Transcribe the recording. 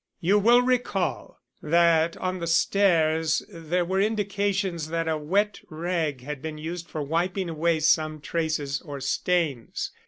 You will recall that on the stairs there were indications that a wet rag had been used for wiping away some traces or stains.